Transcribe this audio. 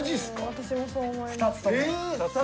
私もそう思います。